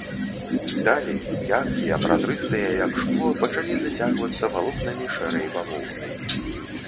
Далі, яркія, празрыстыя, як шкло, пачалі зацягвацца валокнамі шэрай бавоўны.